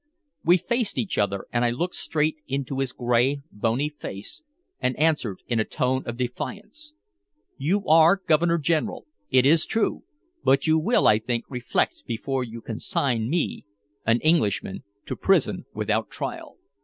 We faced each other, and I looked straight into his gray, bony face, and answered in a tone of defiance: "You are Governor General, it is true, but you will, I think, reflect before you consign me, an Englishman, to prison without trial.